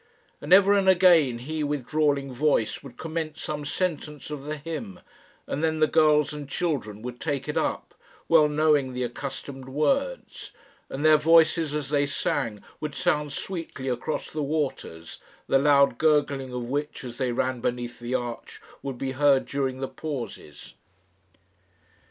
And ever and anon he with drawling voice would commence some sentence of the hymn, and then the girls and children would take it up, well knowing the accustomed words; and their voices as they sang would sound sweetly across the waters, the loud gurgling of which, as they ran beneath the arch, would be heard during the pauses.